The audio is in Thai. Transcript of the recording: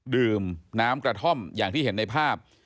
ดื่มน้ำกระท่อมอย่างที่เห็นในภาพ